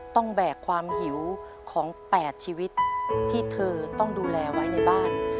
แบกความหิวของ๘ชีวิตที่เธอต้องดูแลไว้ในบ้าน